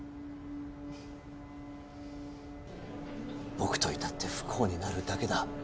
僕といたって不幸になるだけだ。